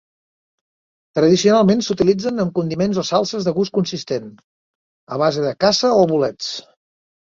Tradicionalment s'utilitzen amb condiments o salses de gust consistent, a base de caça o bolets.